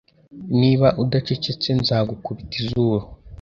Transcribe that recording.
Niba udacecetse nzagukubita izuru